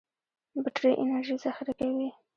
بټري انرژي ذخیره کوي.